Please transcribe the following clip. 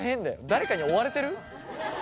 誰かに追われてる？